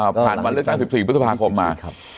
ผ่านมาเรื่องของ๕๔พฤษภาคมมา